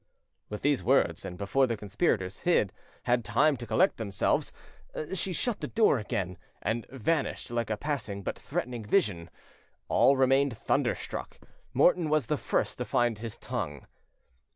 With these words, and before the conspirators hid had time to collect themselves, she shut the door again, and vanished like a passing but threatening vision. All remained thunderstruck. Morton was the first to find his tongue.